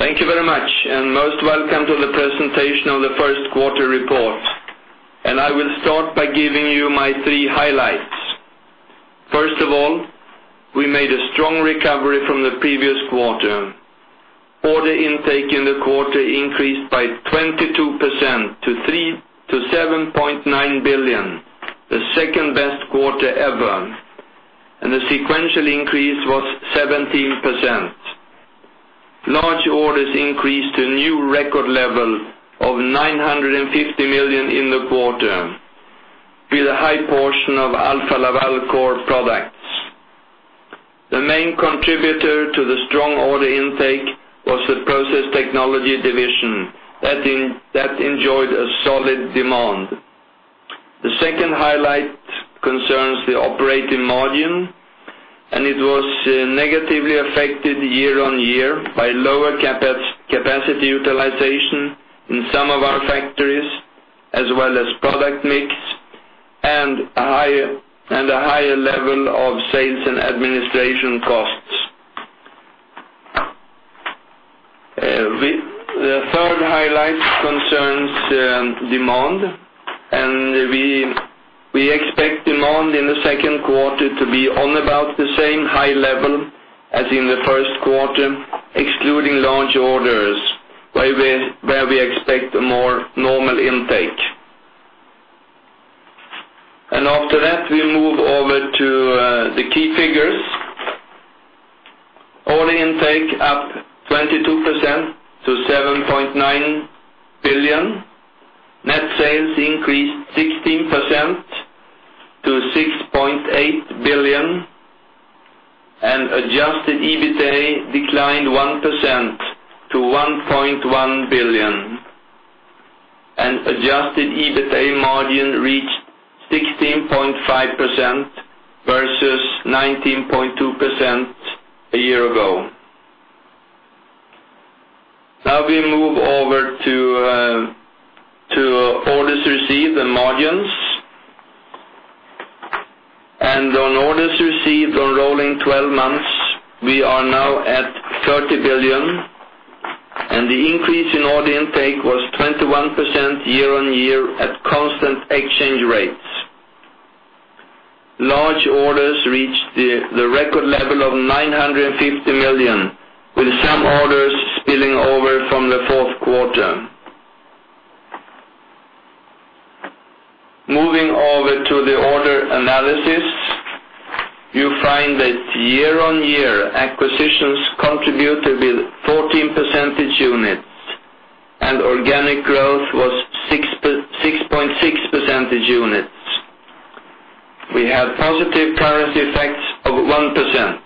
Thank you very much, and most welcome to the Presentation on the First Quarter Report. I will start by giving you my three highlights. First of all, we made a strong recovery from the previous quarter. Order intake in the quarter increased by 22% to 7.9 billion, the second best quarter ever. The sequential increase was 17%. Large orders increased to a new record level of 950 million in the quarter, with a high portion of Alfa Laval products. The main contributor to the strong order intake was the process technology division, that enjoyed a solid demand. The second highlight concerns the operating margin, and it was negatively affected year-on-year by lower capacity utilization in some of our factories, as well as product mix, and a higher level of sales and administration costs. The third highlight concerns demand, and we expect demand in the second quarter to be on about the same high level as in the first quarter, excluding large orders where we expect a more normal intake. After that, we move over to the key figures. Order intake up 22% to 7.9 billion, net sales increased 16% to 6.8 billion, and adjusted EBITDA declined 1% to 1.1 billion. Adjusted EBITDA margin reached 16.5% versus 19.2% a year ago. Now we move over to orders received and margins. On orders received on rolling 12 months, we are now at 30 billion, and the increase in order intake was 21% year-on-year at constant exchange rates. Large orders reached the record level of 950 million, with some orders spilling over from the fourth quarter. Moving over to the order analysis, you find that year-on-year acquisitions contributed with 14 percentage units, and organic growth was 6.6 percentage units. We had positive tariff effects of 1%.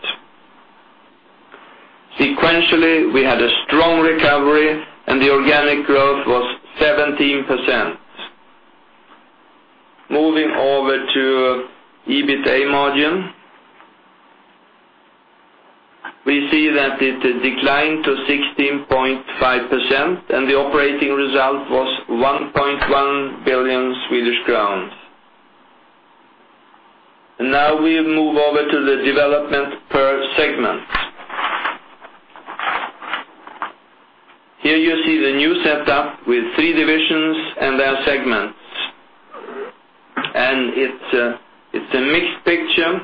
Sequentially, we had a strong recovery, and the organic growth was 17%. Moving over to EBITDA margin, we see that it declined to 16.5%, and the operating result was 1.1 billion Swedish crowns. Now we move over to the development per segment. Here you see the new setup with three divisions and their segments. It's a mixed picture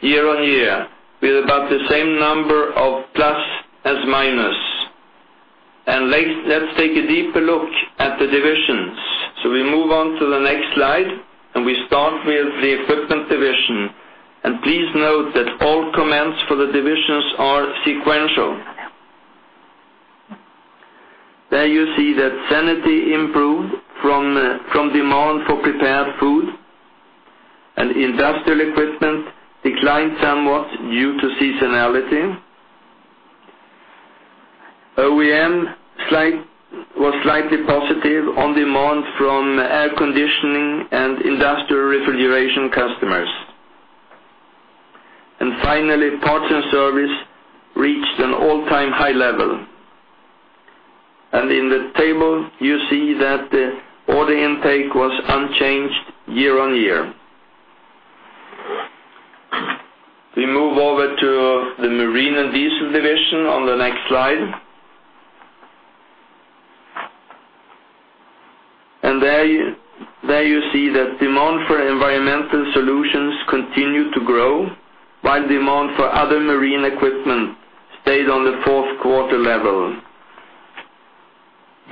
year-on-year, with about the same number of plus as minus. Let's take a deeper look at the division. We move on to the next slide, and we start with the Equipment division. Please note that all comments for the divisions are sequential. There you see that sanity improved from demand for prepared food, and industrial equipment declined somewhat due to seasonality. OEM was slightly positive on demand from air conditioning and industrial refrigeration customers. Finally, partner service reached an all-time high level. In the table, you see that the order intake was unchanged year-on-year. We move over to the Marine & Diesel division on the next slide. There you see that demand for environmental solutions continued to grow, while demand for other marine equipment stayed on the fourth quarter level.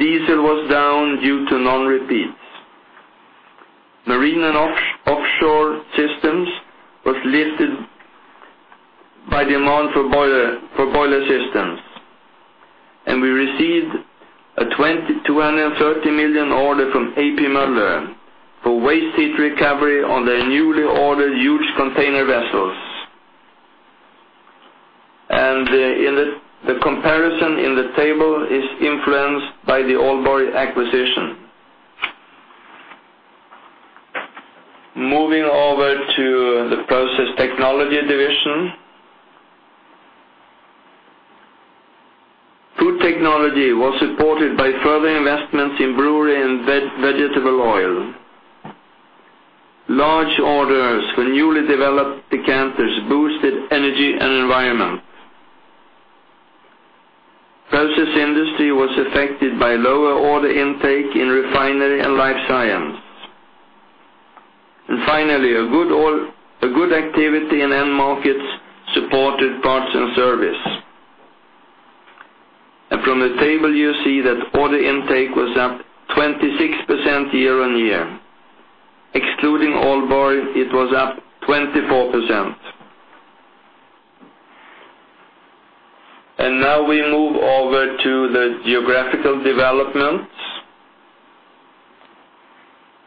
Diesel was down due to non-repeats. Marine & Offshore Systems were lifted by demand for boiler systems. We received a 230 million order from A.P. Moller for waste heat recovery on their newly ordered huge container vessels. The comparison in the table is influenced by the Aalborg acquisition. Moving over to the process technology division, food technology was supported by further investments in brewery and vegetable oil. Large orders for newly developed decanters boosted energy and environment. Process industry was affected by lower order intake in refinery and life science. Finally, good activity in end markets supported parts and service. From the table, you see that order intake was up 26% year-on-year. Excluding Aalborg, it was up 24%. Now we move over to the geographical developments.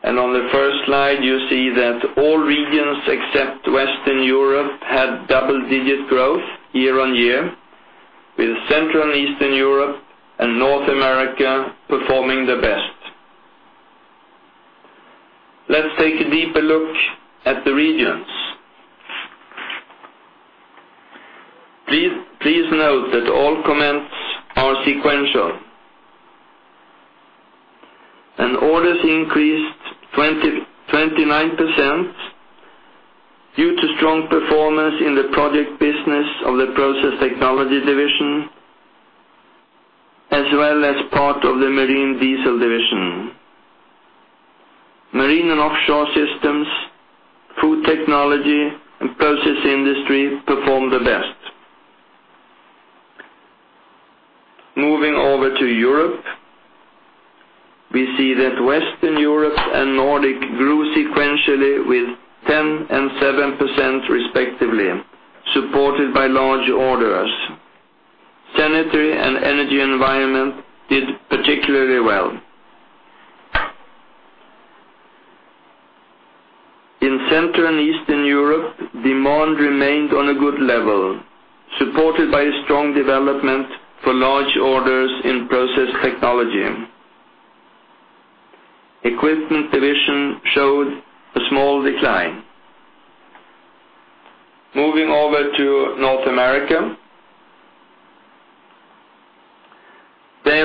On the first slide, you see that all regions except Western Europe had double-digit growth year-on-year, with Central and Eastern Europe and North America performing the best. Let's take a deeper look at the regions. Please note that all comments are sequential. Orders increased 29% due to strong performance in the project business of the process technology division, as well as part of the Marine Diesel division. Marine & Offshore Systems, food technology, and process industry performed the best. Moving over to Europe, we see that Western Europe and Nordic grew sequentially with 10% and 7% respectively, supported by large orders. Sanitary and energy and environment did particularly well. In Central and Eastern Europe, demand remained on a good level, supported by strong development for large orders in Process Technology. Equipment division showed a small decline. Moving over to North America,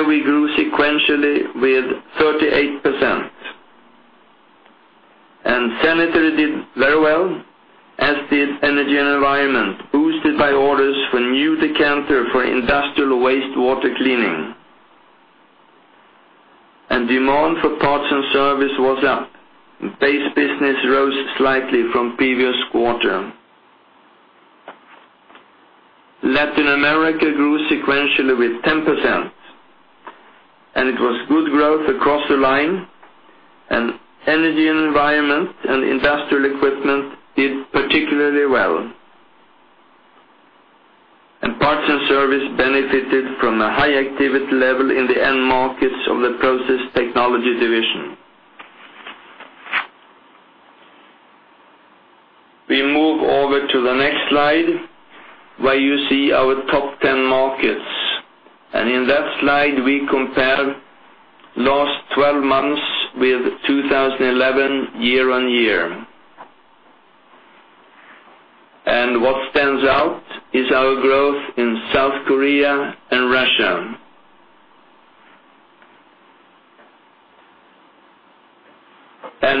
we grew sequentially with 38%. Sanitary did very well, as did energy and environment, boosted by orders for new decanter for industrial wastewater cleaning. Demand for parts and service was up. Base business rose slightly from previous quarter. Latin America grew sequentially with 10%. It was good growth across the line. Energy and environment and industrial equipment did particularly well. Parts and service benefited from a high activity level in the end markets of the process technology division. We move over to the next slide, where you see our top 10 markets. In that slide, we compare the last 12 months with 2011, year-on-year. What stands out is our growth in South Korea and Russia.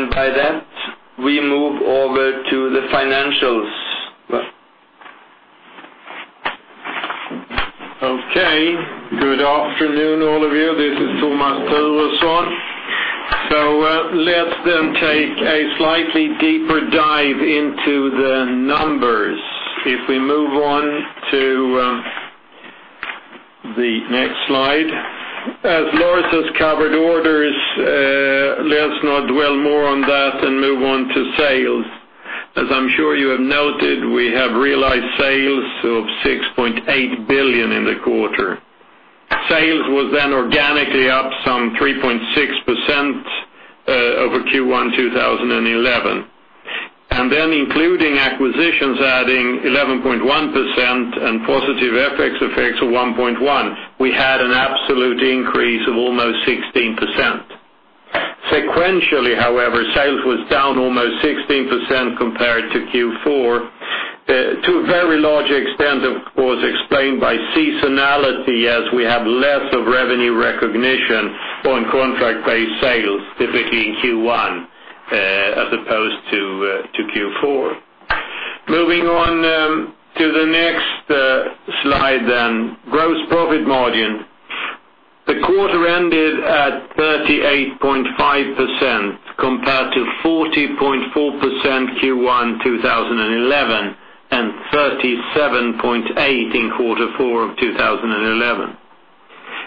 By that, we move over to the financials. Good afternoon, all of you. This is Thomas Thuresson. Let's then take a slightly deeper dive into the numbers if we move on to the next slide. As Morris has covered orders, let's not dwell more on that and move on to sales. As I'm sure you have noted, we have realized sales of 6.8 billion in the quarter. Sales were then organically up some 3.6% over Q1 2011. Including acquisitions, adding 11.1% and positive FX effects of 1.1%, we had an absolute increase of almost 16%. Sequentially, however, sales were down almost 16% compared to Q4. To a very large extent, of course, explained by seasonality as we have less of revenue recognition on contract-based sales, typically in Q1 as opposed to Q4. Moving on to the next slide, gross profit margin. The quarter ended at 38.5% compared to 40.4% Q1 2011 and 37.8% in Q4 2011.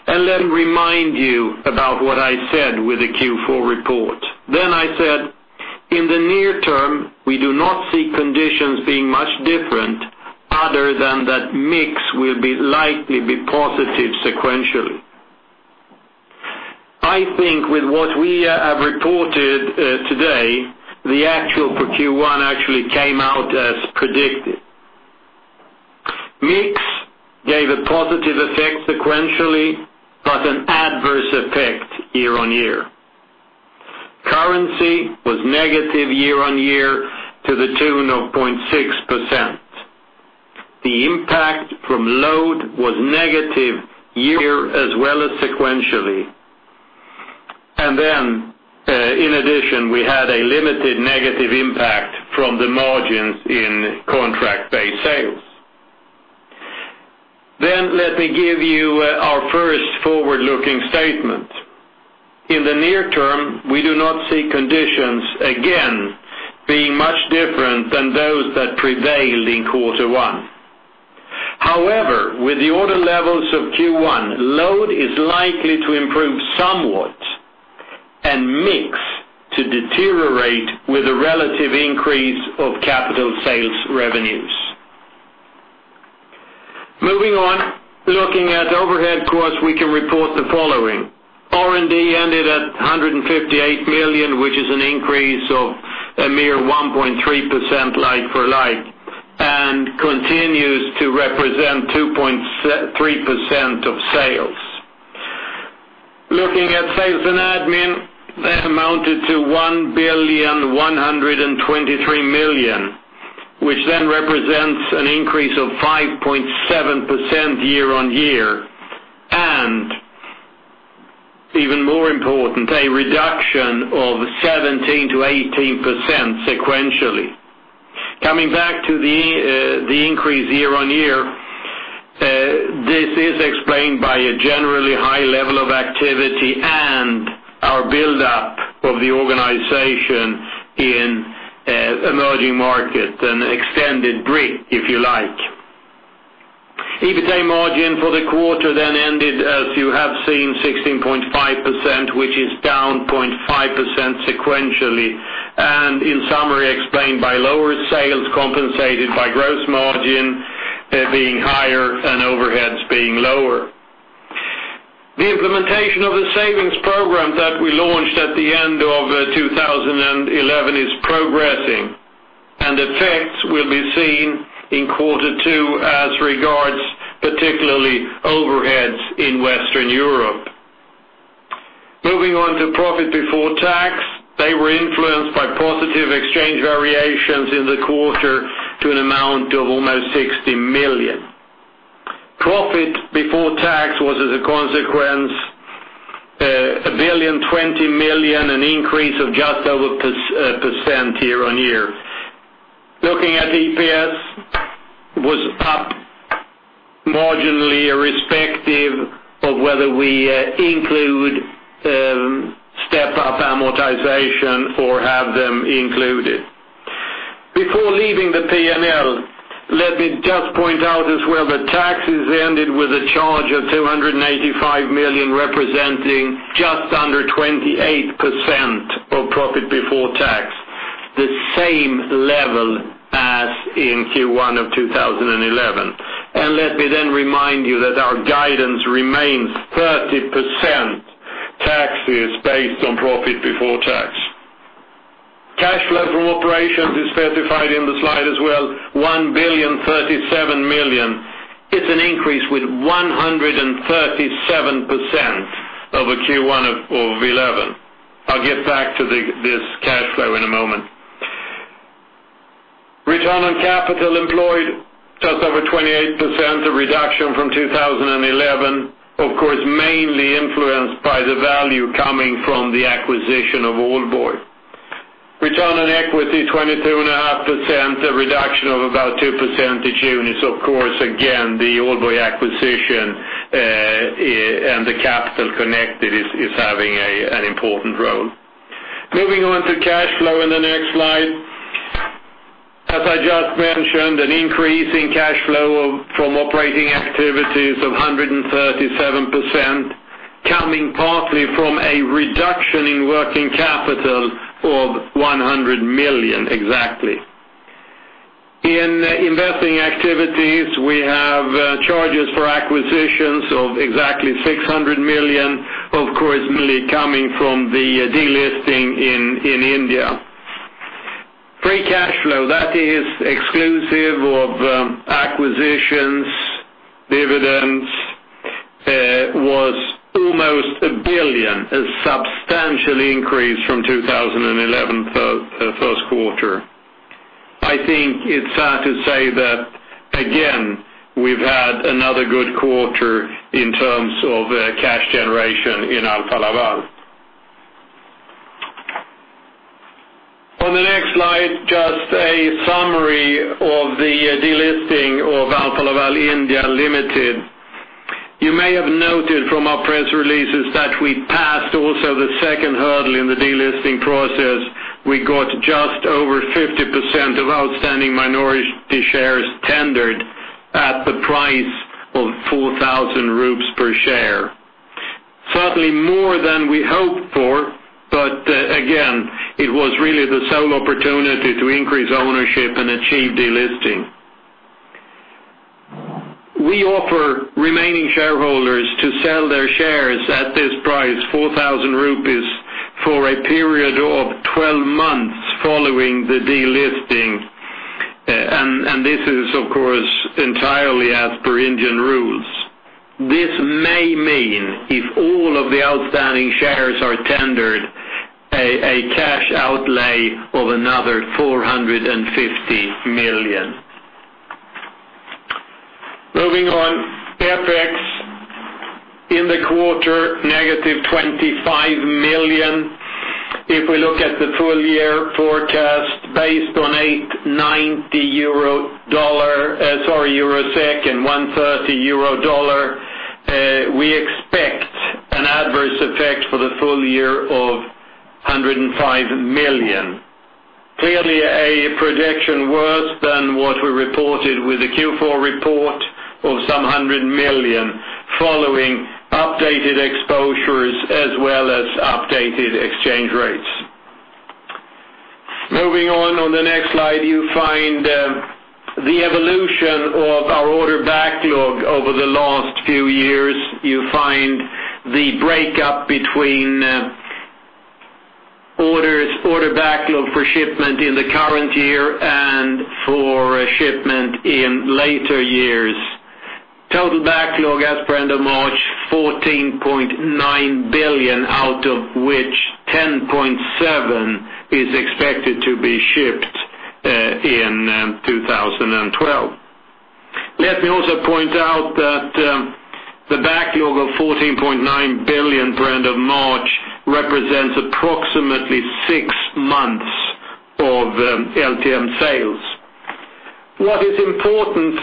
Let me remind you about what I said with the Q4 report. I said, in the near term, we do not see conditions being much different other than that mix will likely be positive sequentially. I think with what we have reported today, the outcome for Q1 actually came out as predicted. Mix gave a positive effect sequentially, but an adverse effect year-on-year. Currency was negative year-on-year to the tune of 0.6%. The impact from load was negative year as well as sequentially. In addition, we had a limited negative impact from the margins in contract-based sales. Let me give you our first forward-looking statement. In the near term, we do not see conditions again being much different than those that prevailed in Q1. However, with the order levels of Q1, load is likely to improve somewhat, and mix to deteriorate with a relative increase of capital sales revenues. Moving on, looking at overhead costs, we can report the following. R&D ended at 158 million, which is an increase of a mere 1.3% like for like, and continues to represent 2.3% of sales. Looking at sales and admin, that amounted to 1,123,000,000, which then represents an increase of 5.7% year-on-year. Even more important, a reduction of 17%-18% sequentially. Coming back to the increase year-on-year, this is explained by a generally high level of activity and our buildup of the organization in emerging markets and extended break, if you like. EBITDA margin for the quarter then ended, as you have seen, 16.5%, which is down 0.5% sequentially. In summary, explained by lower sales compensated by gross margin being higher and overheads being lower. The implementation of the savings program that we launched at the end of 2011 is progressing. Effects will be seen in quarter two as regards particularly overheads in Western Europe. Moving on to profit before tax, they were influenced by positive exchange variations in the quarter to an amount of almost 60 million. Profit before tax was, as a consequence, 1,020,000,000, an increase of just over 1% year-on-year. Looking at the EPS, it was up marginally irrespective of whether we include step-up amortization or have them included. Before leaving the P&L, let me just point out as well that taxes ended with a charge of 295 million, representing just under 28% of profit before tax, the same level as in Q1 of 2011. Let me then remind you that our guidance remains 30% taxes based on profit before tax. Cash flow from operations is specified in the slide as well, 1,037,000,000. It's an increase with 137% over Q1 of 2011. I'll get back to this cash flow in a moment. Return on capital employed plus over 28%, a reduction from 2011, of course, mainly influenced by the value coming from the acquisition of Aalborg. Return on equity, 22.5%, a reduction of about 2 percentage units. Of course, again, the Aalborg acquisition and the capital connected is having an important role. Moving on to cash flow in the next slide. As I just mentioned, an increase in cash flow from operating activities of 137%, coming partly from a reduction in working capital of 100 million exactly. In investing activities, we have charges for acquisitions of exactly 600 million, of course, coming from the delisting in India. Free cash flow, that is exclusive of acquisitions, dividends, was almost 1 billion, a substantial increase from 2011's first quarter. I think it's fair to say that, again, we've had another good quarter in terms of cash generation in Alfa Laval. On the next slide, just a summary of the delisting of Alfa Laval India Limited. You may have noted from our press releases that we passed also the second hurdle in the delisting process. We got just over 50% of outstanding minority shares tendered at the price of 4,000 rupees per share. Certainly more than we hoped for, but again, it was really the sole opportunity to increase ownership and achieve delisting. We offer remaining shareholders to sell their shares at this price, 4,000 rupees, for a period of 12 months following the delisting. This is, of course, entirely as per Indian rules. This may mean, if all of the outstanding shares are tendered, a cash outlay of another 415 million. Moving on, CapEx in the quarter, -25 million. If we look at the full-year forecast based on a EUR 90, sorry, Euro Tech and EUR 130, we expect an adverse effect for the full year of 105 million. Clearly, a projection worse than what we reported with the Q4 report of some 100 million following updated exposures as well as updated exchange rates. Moving on, on the next slide, you find the evolution of our order backlog over the last few years. You find the breakup between order backlog for shipment in the current year and for shipment in later years. Total backlog as per end of March, 14.9 billion, out of which 10.7 billion is expected to be shipped in 2012. Let me also point out that the backlog of 14.9 billion for end of March represents approximately six months of LTM sales. What is important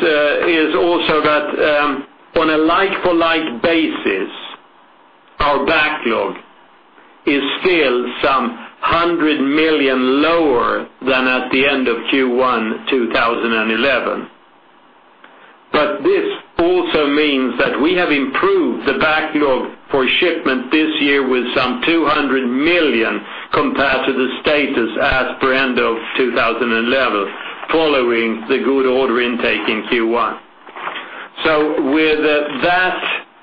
is also that on a like-for-like basis, our backlog is still some 100 million lower than at the end of Q1 2011. This also means that we have improved the backlog for shipment this year with some 200 million compared to the status as per end of 2011 following the good order intake in Q1. With that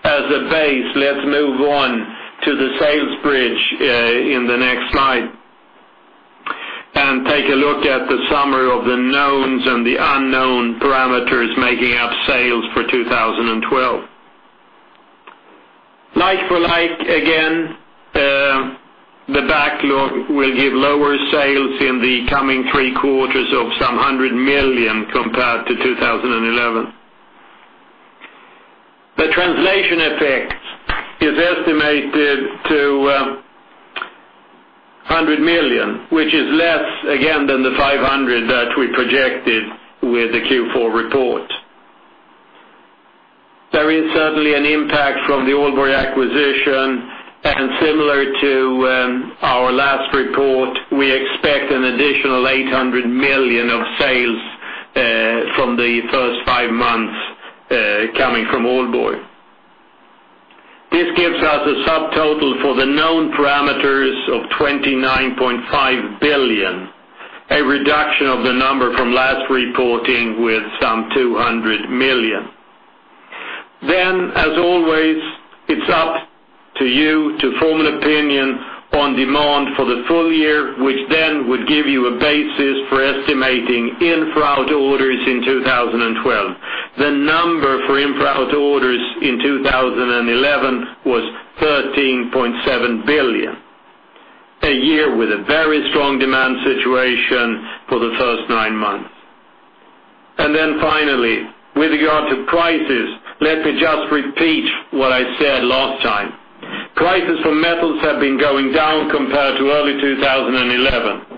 as a base, let's move on to the sales bridge in the next slide and take a look at the summary of the knowns and the unknown parameters making up sales for 2012. Like for like, again, the backlog will give lower sales in the coming three quarters of some 100 million compared to 2011. The translation effect is estimated to 100 million, which is less, again, than the 500 million that we projected with the Q4 report. There is certainly an impact from the Aalborg acquisition. Similar to our last report, we expect an additional 800 million of sales from the first five months coming from Aalborg. This gives us a subtotal for the known parameters of 29.5 billion, a reduction of the number from last reporting with some 200 million. Then, as always, it's up to you to form an opinion on demand for the full year, which then would give you a basis for estimating infra-out orders in 2012. The number for infra-out orders in 2011 was 13.7 billion, a year with a very strong demand situation for the first nine months. With regard to prices, let me just repeat what I said last time. Prices for metals have been going down compared to early 2011.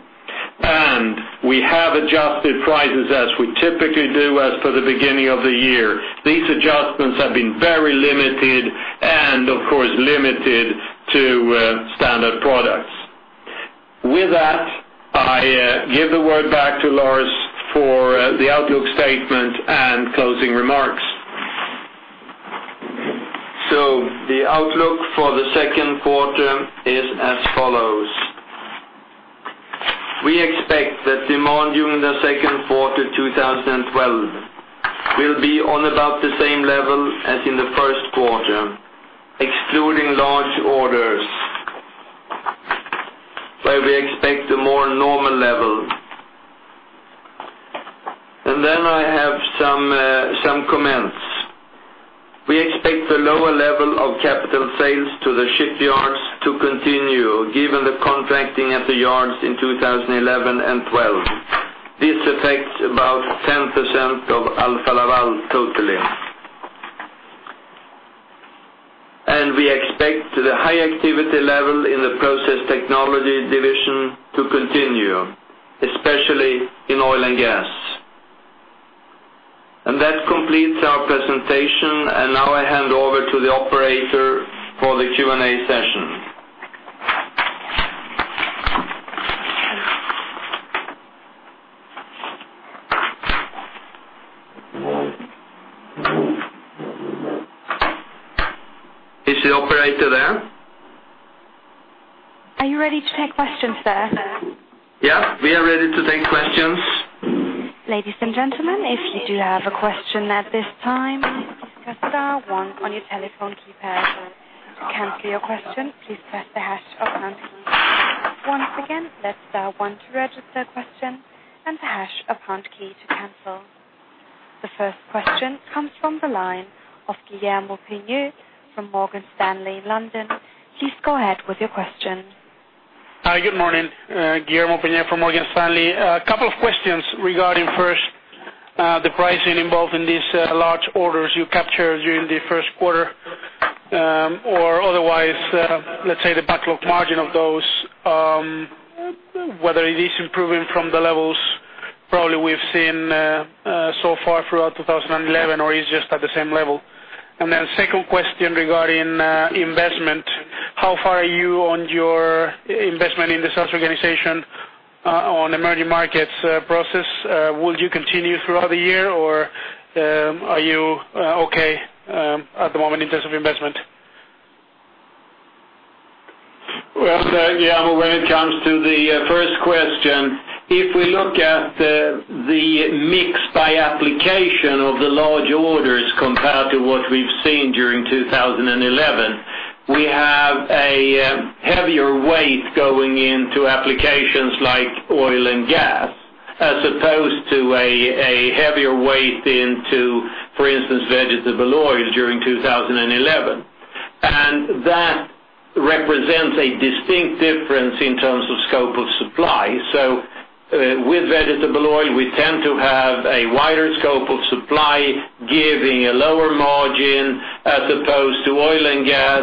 We have adjusted prices as we typically do as per the beginning of the year. These adjustments have been very limited and, of course, limited to standard products. With that, I give the word back to Lars for the outlook statement and closing remarks. The outlook for the second quarter is as follows. We expect that demand during the second quarter of 2012 will be on about the same level as in the first quarter, excluding large orders, where we expect a more normal level. I have some comments. We expect the lower level of capital sales to the shipyards to continue, given the contracting at the yards in 2011 and 2012. This affects about 10% of Alfa Laval totally. We expect the high activity level in the Process Technology division to continue, especially in oil and gas. That completes our presentation. Now I hand over to the operator for the Q&A session. Is the operator there? Are you ready to take questions, sir? Yes, we are ready to take questions. Ladies and gentlemen, if you do have a question at this time, just dial one on your telephone keypad. To cancel your question, please press the hash or hand key. Once again, dial one to register a question and the hash or hand key to cancel. The first question comes from the line of (Guillermo Pignet) from Morgan Stanley in London. Please go ahead with your question. Hi, good morning. (Guillermo Pignet) from Morgan Stanley. A couple of questions regarding, first, the pricing involved in these large orders you captured during the first quarter, or otherwise, let's say the backlog margin of those, whether it is improving from the levels probably we've seen so far throughout 2011 or is just at the same level. Second question regarding investment. How far are you on your investment in the SaaS organization on emerging markets process? Will you continue throughout the year or are you okay at the moment in terms of investment? If we look at the mix by application of the large orders compared to what we've seen during 2011, we have a heavier weight going into applications like oil and gas as opposed to a heavier weight into, for instance, vegetable oil during 2011. That represents a distinct difference in terms of scope of supply. With vegetable oil, we tend to have a wider scope of supply, giving a lower margin as opposed to oil and gas,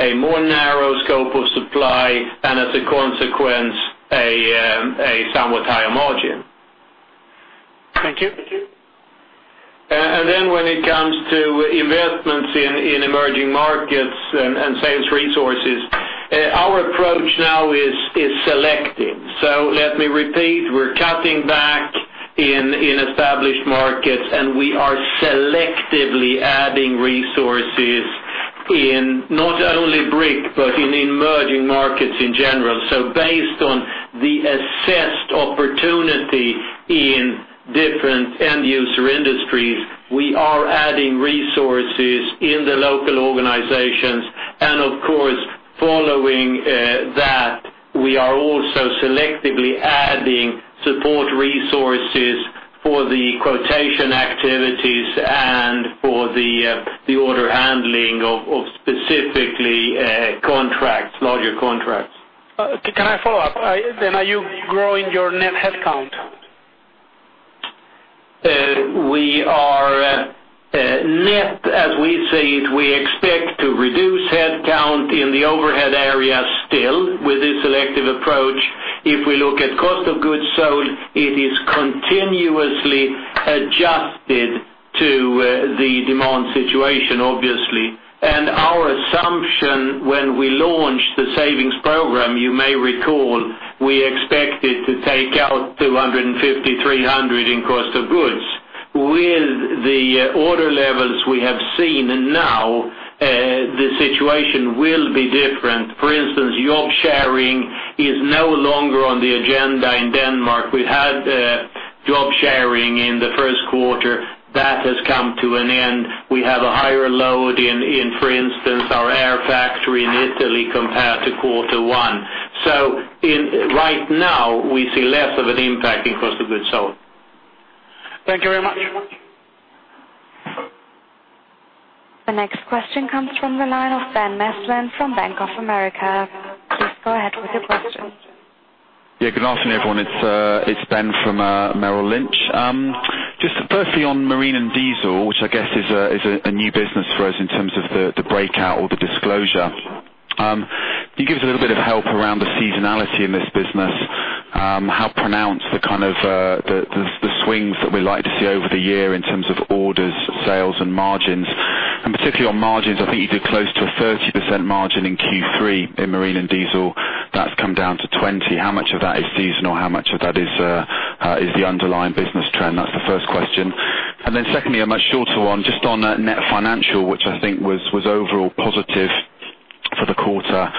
a more narrow scope of supply, and as a consequence, a somewhat higher margin. Thank you. When it comes to investments in emerging markets and sales resources, our approach now is selective. Let me repeat, we're cutting back in established markets and we are selectively adding resources in not only BRICS, but in emerging markets in general. Based on the assessed opportunity in different end-user industries, we are adding resources in the local organizations. Of course, following that, we are also selectively adding support resources for the quotation activities and for the order handling of specifically contracts, larger contracts. Can I follow up? Are you growing your net headcount? We are net, as we see it, we expect to reduce headcount in the overhead area still with this selective approach. If we look at cost of goods sold, it is continuously adjusted to the demand situation, obviously. Our assumption when we launched the savings program, you may recall, we expected to take out $250 million-$300 million in cost of goods. With the order levels we have seen now, the situation will be different. For instance, job sharing is no longer on the agenda in Denmark. We had job sharing in the first quarter. That has come to an end. We have a higher load in, for instance, our air factory in Italy compared to quarter one. Right now, we see less of an impact in cost of goods sold. Thank you very much. The next question comes from the line of Ben Maslen from Bank of America. Please go ahead with your question. Good afternoon, everyone. It's Ben from Merrill Lynch. Firstly, on Marine & Diesel, which I guess is a new business for us in terms of the breakout or the disclosure. Can you give us a little bit of help around the seasonality in this business? How pronounced are the swings that we like to see over the year in terms of orders, sales, and margins? Particularly on margins, I think you do close to a 30% margin in Q3 in Marine & Diesel. That's come down to 20%. How much of that is seasonal? How much of that is the underlying business trend? That's the first question. Secondly, just on net financial, which I think was overall positive for the quarter.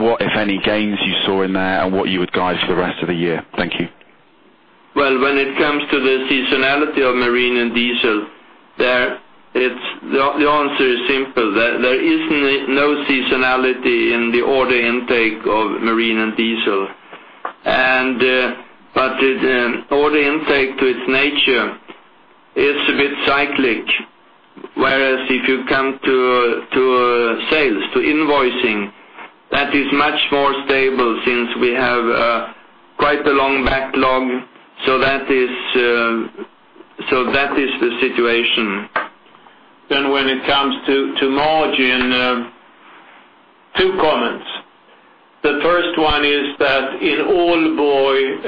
What, if any, gains you saw in there and what you would guide for the rest of the year? Thank you. When it comes to the seasonality of Marine & Diesel, the answer is simple. There is no seasonality in the order intake of Marine & Diesel. The order intake by its nature is a bit cyclic. Whereas if you come to sales, to invoicing, that is much more stable since we have quite a long backlog. That is the situation. When it comes to margin, two comments. The first one is that in Aalborg,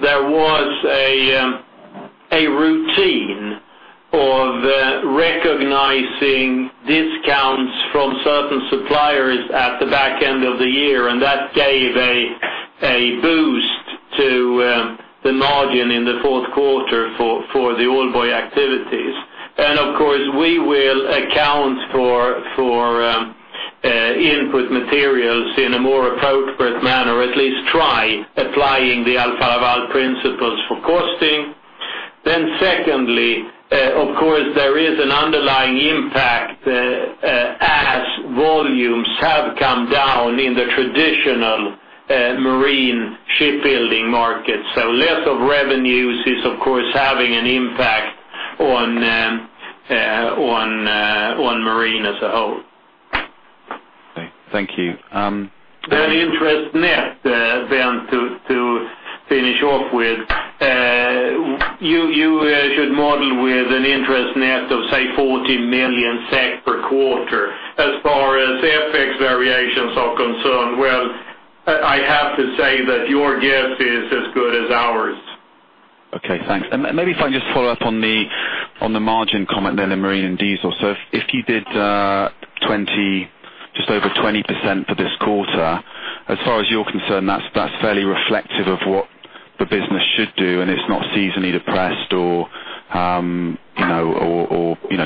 there was a routine of recognizing discounts from certain suppliers at the back end of the year, and that gave a boost to the margin in the fourth quarter for the Aalborg activities. Of course, we will account for input materials in a more appropriate manner, at least try applying the Alfa Laval principles for costing. Secondly, of course, there is an underlying impact as volumes have come down in the traditional marine shipbuilding markets. Lots of revenues is, of course, having an impact on Marine as a whole. Thank you. Interest net, Ben, to finish up with, you should model with an interest net of, say, 40 million SEK per quarter as far as FX variations are concerned. I have to say that your guess is as good as ours. Okay, thanks. Maybe if I can just follow up on the margin comment there in the Marine & Diesel. If you did just over 20% for this quarter, as far as you're concerned, that's fairly reflective of what the business should do, and it's not seasonally depressed or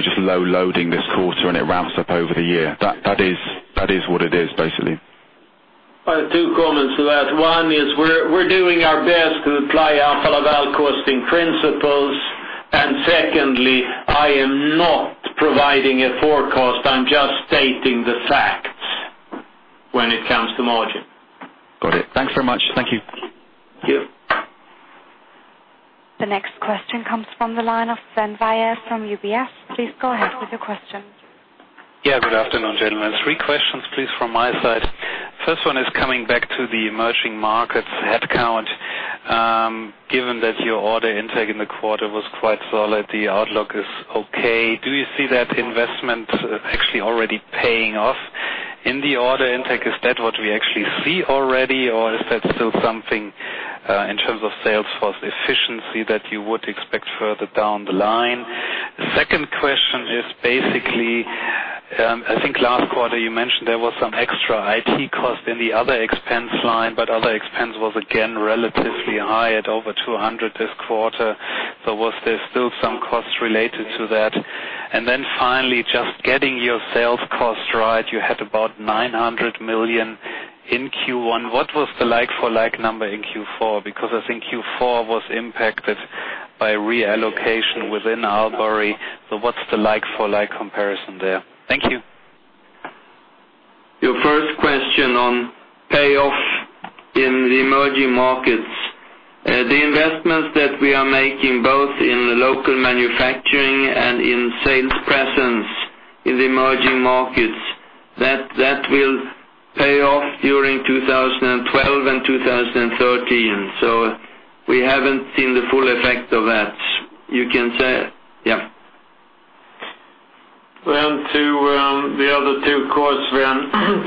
just low loading this quarter and it ramps up over the year. That is what it is, basically. Two comments to that. One is we're doing our best to apply Alfa Laval costing principles. Secondly, I am not providing a forecast. I'm just stating the fact when it comes to margin. Got it. Thanks very much. Thank you. Yeah. The next question comes from the line of Sven Weier from UBS. Please go ahead with your questions. Yeah, good afternoon, gentlemen. Three questions, please, from my side. First one is coming back to the emerging markets headcount. Given that your order intake in the quarter was quite solid, the outlook is okay. Do you see that investment actually already paying off in the order intake? Is that what we actually see already, or is that still something in terms of sales force efficiency that you would expect further down the line? The second question is basically, I think last quarter you mentioned there was some extra IT cost in the other expense line, but other expense was again relatively high at over 200 million this quarter. Was there still some cost related to that? Finally, just getting your sales cost right, you had about 900 million in Q1. What was the like-for-like number in Q4? I think Q4 was impacted by reallocation within Aalborg. What's the like-for-like comparison there? Thank you. Your first question on payoff in the emerging markets. The investments that we are making both in the local manufacturing and in sales presence in the emerging markets, that will pay off during 2012 and 2013. We haven't seen the full effects of that. To the other two quotes,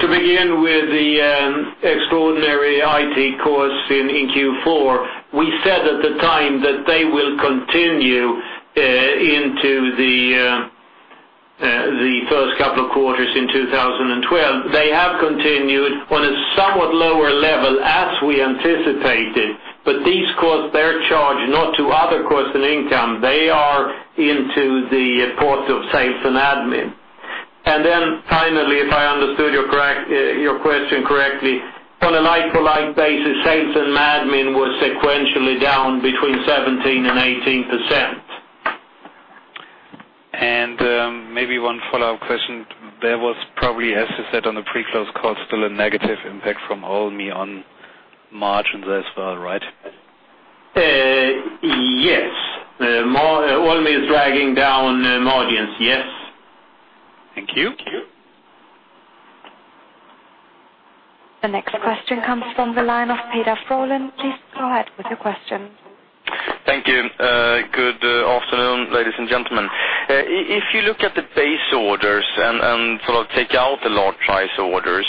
to begin with the extraordinary IT costs in Q4, we said at the time that they will continue into the first couple of quarters in 2012. They have continued on a somewhat lower level as we anticipated. These costs are charged not to other costs and income. They are into the costs of sales and admin. Finally, if I understood your question correctly, on a like-for-like basis, sales and admin were sequentially down between 17% and 18%. Maybe one follow-up question. There was probably, as you said, on the pre-close cost, still a negative impact from Olmi on margins as well, right? Yes, Olmi is dragging down margins, yes. Thank you. The next question comes from the line of (Peter Torstensson). Please go ahead with your question. Thank you. Good afternoon, ladies and gentlemen. If you look at the base orders and sort of take out the large size orders,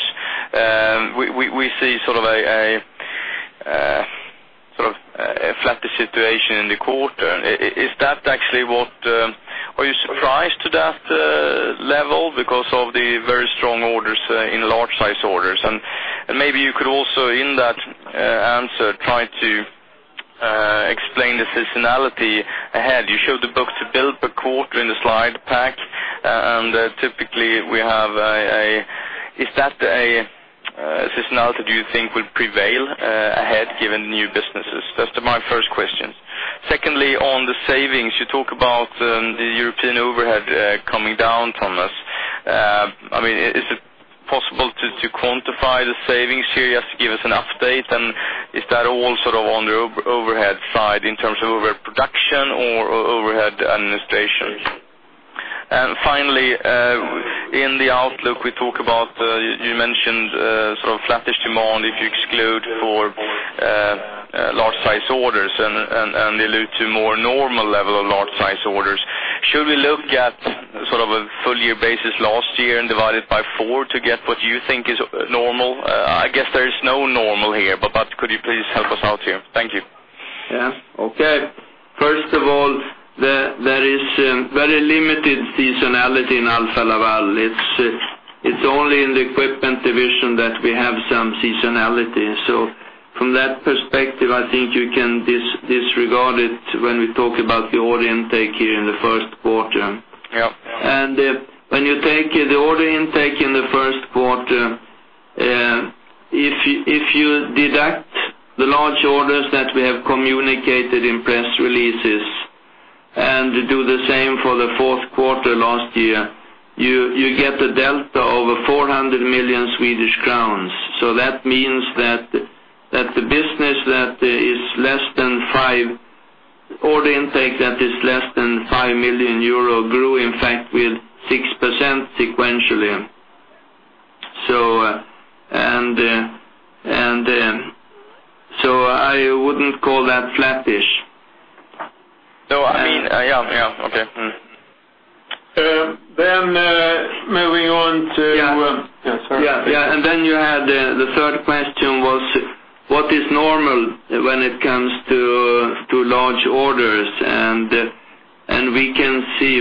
we see a flat situation in the quarter. Is that actually, are you surprised to that level because of the very strong orders in large size orders? Maybe you could also, in that answer, try to explain the seasonality ahead. You showed the books built per quarter in the slide pack. Typically, is that a seasonality you think will prevail ahead given new businesses? That's my first question. Secondly, on the savings, you talk about the European overhead coming down, Thomas. Is it possible to quantify the savings here? Give us an update. Is that all on the overhead side in terms of overhead production or overhead administration? Finally, in the outlook, you mentioned flattish demand if you exclude large size orders and allude to a more normal level of large size orders. Should we look at a full-year basis last year and divide it by four to get what you think is normal? I guess there is no normal here, but could you please help us out here? Thank you. Okay. First of all, there is very limited seasonality in Alfa Laval. It's only in the Equipment division that we have some seasonality. From that perspective, I think you can disregard it when we talk about the order intake here in the first quarter. When you take the order intake in the first quarter, if you deduct the large orders that we have communicated in press releases and do the same for the fourth quarter last year, you get a delta over 400 million Swedish crowns. That means that the business that is less than 5 million euro order intake grew, in fact, with 6% sequentially. I wouldn't call that flattish. No, I mean, yeah. Okay. Moving on to. Yeah, sorry. Yeah, yeah. The third question was, what is normal when it comes to large orders? We can see,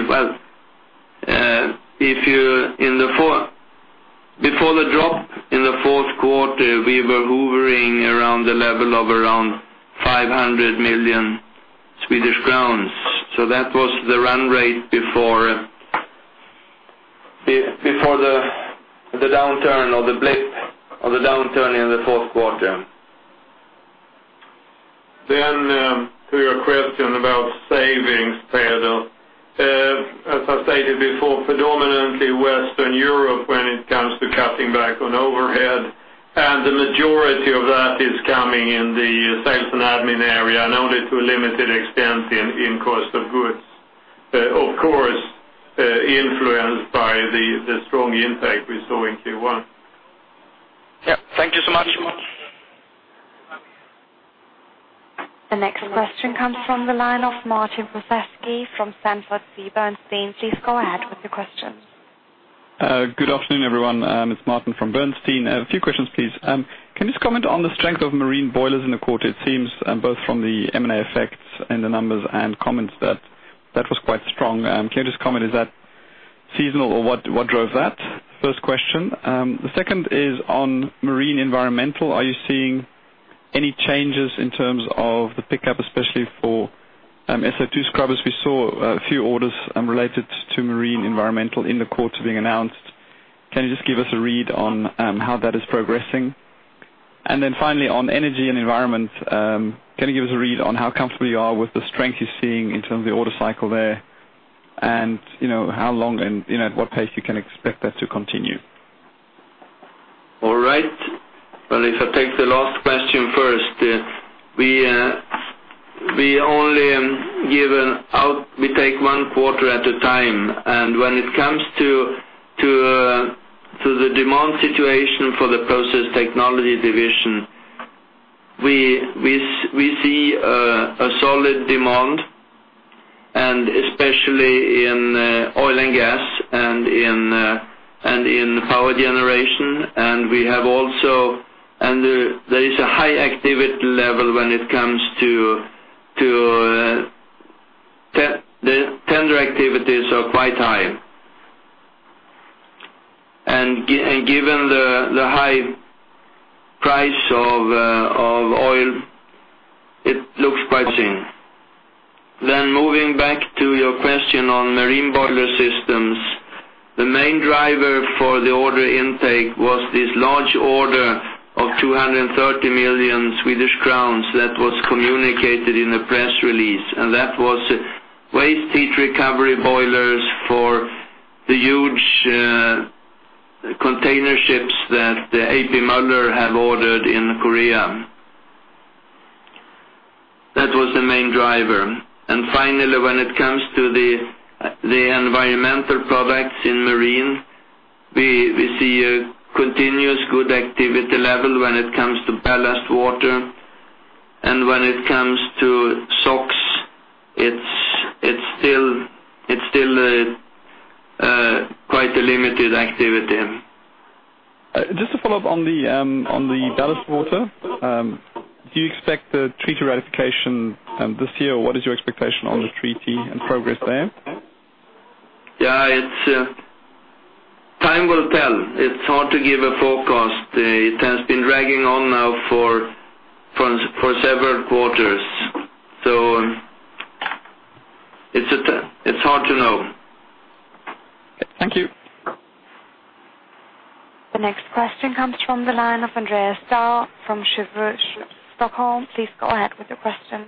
if you look before the drop in the fourth quarter, we were hovering around the level of 500 million Swedish crowns. That was the run rate before the downturn or the BRICS or the downturn in the fourth quarter. To your question about savings, Peter, as I stated before, predominantly Western Europe when it comes to cutting back on overhead. The majority of that is coming in the sales and admin area, and only to a limited extent in cost of goods. Of course, influenced by the strong impact we saw in Q1. Thank you so much. The next question comes from the line of Martin Prozesky from Sanford C. Bernstein. Please go ahead with your questions. Good afternoon, everyone. It's Martin from Bernstein. A few questions, please. Can you just comment on the strength of marine boilers in the quarter? It seems both from the M&A effects and the numbers and comments that that was quite strong. Can you just comment, is that seasonal or what drove that? First question. The second is on marine environmental. Are you seeing any changes in terms of the pickup, especially for SOx scrubbers? We saw a few orders related to marine environmental in the quarter being announced. Can you just give us a read on how that is progressing? Finally, on energy and environment, can you give us a read on how comfortable you are with the strength you're seeing in terms of the order cycle there? You know how long and you know at what pace you can expect that to continue? All right. If I take the last question first, we only give out, we take one quarter at a time. When it comes to the demand situation for the Process Technology division, we see a solid demand, especially in oil and gas and in power generation. We have also, and there is a high activity level when it comes to tender activities of vital. Given the high price of oil, it looks quite interesting. Moving back to your question on marine boiler systems, the main driver for the order intake was this large order of 230 million Swedish crowns that was communicated in a press release. That was waste heat recovery boilers for the huge container ships that A.P. Moller have ordered in Korea. That was the main driver. Finally, when it comes to the environmental products in marine, we see a continuous good activity level when it comes to ballast water. When it comes to SOx, it's still quite a limited activity. Just to follow up on the ballast water treatment systems, do you expect the treaty ratification this year? What is your expectation on the treaty and progress there? Yeah, time will tell. It's hard to give a forecast. It has been dragging on now for several quarters, so it's just, it's hard to know. Thank you. The next question comes from the line of (Andreas Koski from Stockholm). Please go ahead with your question.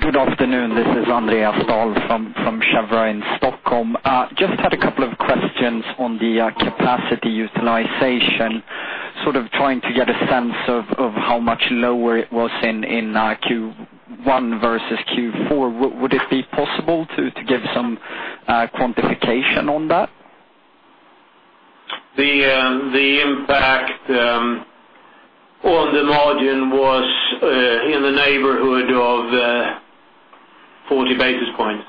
Good afternoon. This is (Andreas Koski from Stockholm). Just had a couple of questions on the capacity utilization, sort of trying to get a sense of how much lower it was in Q1 versus Q4. Would it be possible to give some quantification on that? The impact on the margin was in the neighborhood of 40 basis points.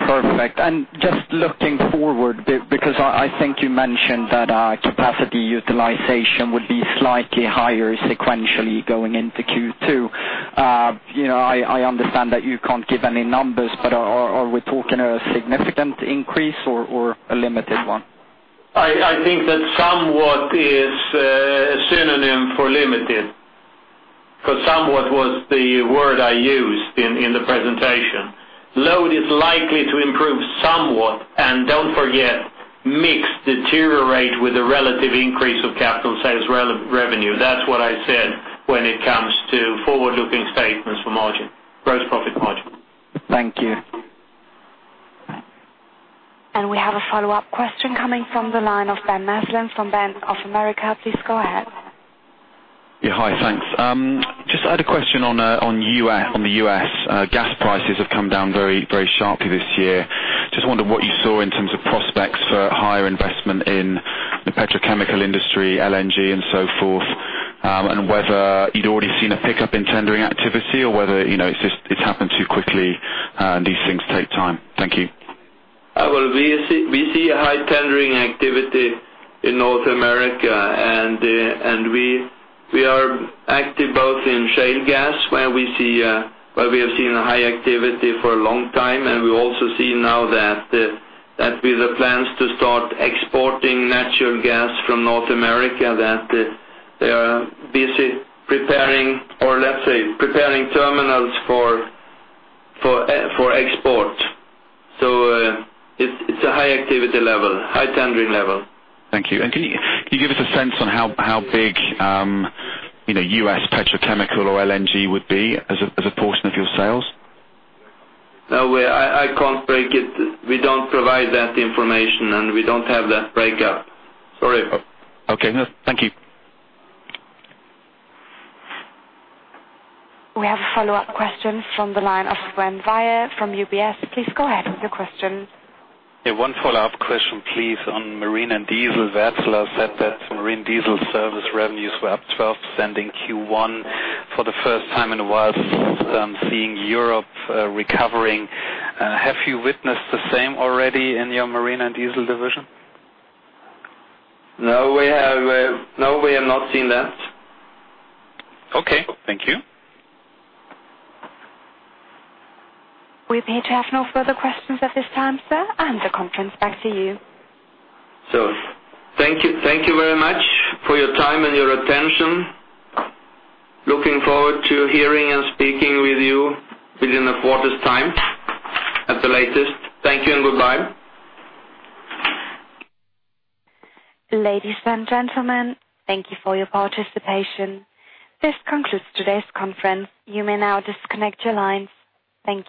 Perfect. Just looking forward, because I think you mentioned that our capacity utilization would be slightly higher sequentially going into Q2. I understand that you can't give any numbers, but are we talking a significant increase or a limited one? I think that somewhat is a synonym for limited, because somewhat was the word I used in the presentation. Load is likely to improve somewhat, and don't forget, mix deteriorate with a relative increase of capital sales revenue. That's what I said when it comes to forward-looking statements for margin, gross profit margin. Thank you. We have a follow-up question coming from the line of Ben Maslen from Bank of America. Please go ahead. Yeah, hi, thanks. Just had a question on the U.S. gas prices have come down very, very sharply this year. Just wondered what you saw in terms of prospects for higher investment in the petrochemical industry, LNG, and so forth, and whether you'd already seen a pickup in tendering activity or whether it's just happened too quickly and these things take time. Thank you. We see a high tendering activity in North America, and we are active both in shale gas, where we have seen a high activity for a long time. We also see now that with the plans to start exporting natural gas from North America, they are busy preparing, or let's say, preparing terminals for exports. It's a high activity level, high tendering level. Thank you. Can you give us a sense on how big U.S. petrochemical or LNG would be as a portion of your sales? No, I can't break it. We don't provide that information, and we don't have that breakup. Sorry. Okay, no, thank you. We have a follow-up question from the line of Sven Weier from UBS. Please go ahead with your question. Yeah, one follow-up question, please, on Marine & Diesel. Marine Diesel service revenues were up 12% in Q1 for the first time in a while, seeing Europe recovering. Have you witnessed the same already in your marine and diesel division? No, we have not seen that. Okay, thank you. We appear to have no further questions at this time, sir. The conference back to you. Sure. Thank you very much for your time and your attention. Looking forward to hearing and speaking with you within the quarter's time at the latest. Thank you and goodbye. Ladies and gentlemen, thank you for your participation. This concludes today's conference. You may now disconnect your lines. Thank you.